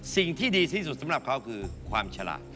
สิ่งที่ดีที่สุดสำหรับเขาคือความฉลาด